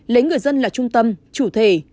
lấy người dân là trung tâm chủ thể